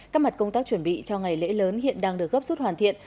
các mặt công tác chuẩn bị cho ngày lễ lớn hiện đang được gấp rút hoàn thiện